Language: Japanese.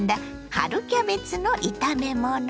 春キャベツの炒め物。